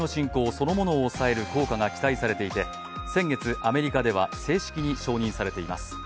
そのものを抑える効果が期待されていて先月アメリカでは正式に承認されています。